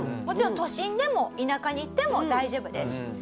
もちろん都心でも田舎に行っても大丈夫です。